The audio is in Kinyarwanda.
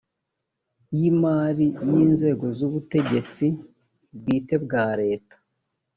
y imari y inzego z ubutegetsi bwite bwa leta